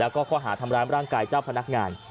แล้วก็ข้อหาทำร้ายร่างกายเจ้าพนักงาน